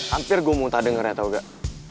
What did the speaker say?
hampir gue muntah dengernya tau gak